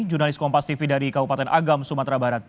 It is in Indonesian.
jurnalis kompas tv dari kabupaten agam sumatera barat